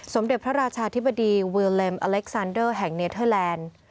สมเด็จพระราชาธิบดีเวอร์เล็มอเล็กซานเดอร์แห่งเนเทอร์แลนด์